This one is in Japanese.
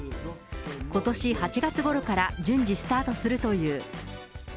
ことし８月ごろから順次、スタートするという。